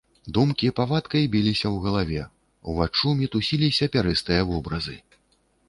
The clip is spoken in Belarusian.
Думкі павадкай біліся ў галаве, уваччу мітусіліся пярэстыя вобразы.